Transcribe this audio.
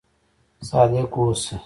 صادق اوسئ